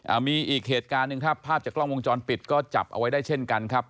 มีอีกเหตุการณ์หนึ่งครับภาพจากกล้องวงจรปิดก็จับเอาไว้ได้เช่นกันครับ